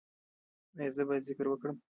ایا زه باید ذکر وکړم؟